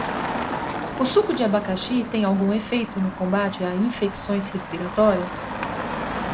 O suco de abacaxi tem algum efeito no combate a infecções respiratórias?